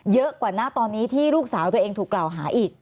เยอะกว่าหน้าตอนนี้ที่ลูกสาวตัวเองถูกกล่าวหาอีก